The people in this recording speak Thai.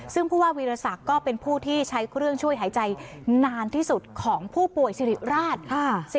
ซึ่งผู้ว่าวีรศักดิ์ก็เป็นผู้ที่ใช้เครื่องช่วยหายใจนานที่สุดของผู้ป่วยสิริราช